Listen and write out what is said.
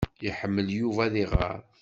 Iḥemmel Yuba ad iɣeṛ.